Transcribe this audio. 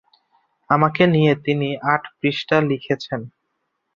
আমাকে নিয়ে তিনি আট পৃষ্ঠা লিখেছেন।